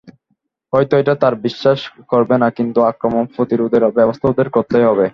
হয়ত এটা তারা বিশ্বাস করবে না, কিন্তু আক্রমণ প্রতিরোধের ব্যাবস্থা ওদের করতেই হবে।